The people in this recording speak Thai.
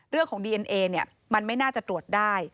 เรื่องของดีเอ็นเอเนี่ยมันไม่น่าจะตรวจได้